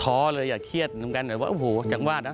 ้อเลยอย่าเครียดเหมือนกันแต่ว่าโอ้โหจากวาดนะ